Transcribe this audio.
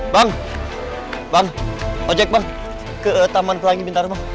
bang bang ojek bang ke taman pelangi bintar bang